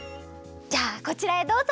じゃあこちらへどうぞ！